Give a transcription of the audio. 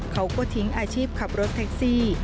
เขาก็ทิ้งอาชีพขับรถแท็กซี่